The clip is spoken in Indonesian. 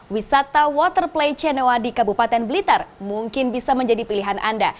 wisata waterplay cenoa di kabupaten blitar mungkin bisa menjadi pilihan anda